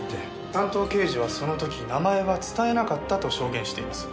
担当刑事はその時名前は伝えなかったと証言しています。